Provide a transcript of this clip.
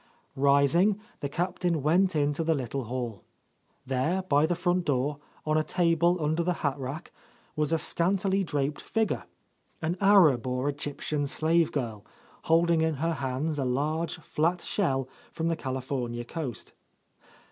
Rising, the Captain went into the little hall. There, by the front door, on a table under the hatrack, was a scantily draped figure, an Arab or Egyptian slave girl, holding in her hands a large flat shell from the California coast.